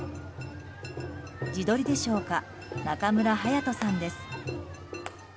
自撮りでしょうか中村隼人さんです。